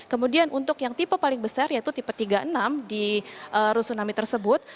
kemudian untuk yang tipe paling besar yaitu tipe tiga puluh enam di rusunami tersebut